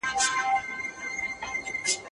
ایا محلي حاکمانو د مغولو تګلاره سمه وګڼله؟